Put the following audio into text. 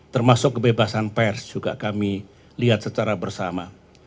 termasuk kebebasan pers juga kami lihat secara bersama